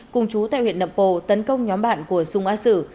cùng trú tại huyện nậm pồ tấn công nhóm bạn của dung a sử